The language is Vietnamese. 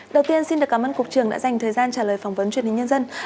đầu tiên xin được cảm ơn cục trưởng đã dành thời gian trả lời phỏng vấn truyền hình nhân dân